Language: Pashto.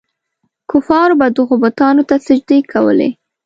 کفارو به دغو بتانو ته سجدې کولې.